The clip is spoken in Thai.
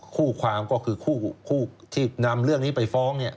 คู่ความก็คือผู้ที่นำเรื่องนี้ไปฟ้อง